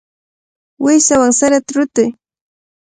Uusiwan sarata rutuy.